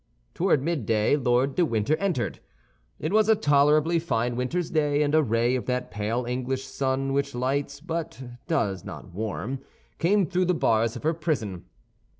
Toward midday, Lord de Winter entered. It was a tolerably fine winter's day, and a ray of that pale English sun which lights but does not warm came through the bars of her prison.